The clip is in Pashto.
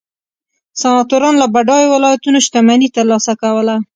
سناتورانو له بډایو ولایتونو شتمني ترلاسه کوله